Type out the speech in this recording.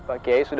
ini pekerjaan jin